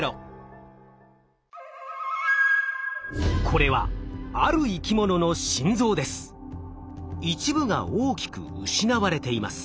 これは一部が大きく失われています。